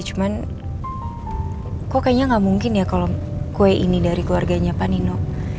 cuman kok kayaknya nggak mungkin ya kalau kue ini dari keluarganya pak nino